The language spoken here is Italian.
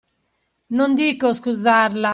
Non dico scusarla.